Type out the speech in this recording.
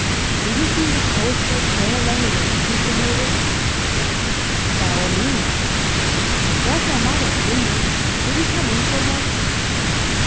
'Do you feel disposed for a turn along the lanes, Mr Milvain?' 'By all means. There's my mother at the window; will you come in for a moment?